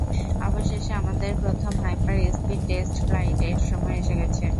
অবশেষে, আমাদের প্রথম হাইপার-স্পিড টেস্ট ফ্লাইট এর সময় এসে গেছে।